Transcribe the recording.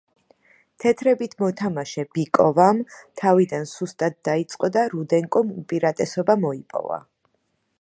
თეთრებით მოთამაშე ბიკოვამ თავიდან სუსტად დაიწყო და რუდენკომ უპირატესობა მოიპოვა.